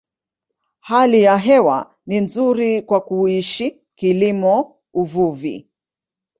Hali ya hewa ni nzuri kwa kuishi, kilimo, uvuvi.